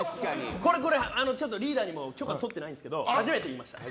これリーダーにも許可とっていないんですけど初めて言いました。